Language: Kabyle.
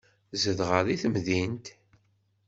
Zedɣeɣ deg temdint.